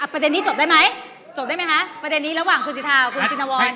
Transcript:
ประเด็นนี้จบได้ไหมจบได้ไหมคะประเด็นนี้ระหว่างคุณสิทธาคุณชินวร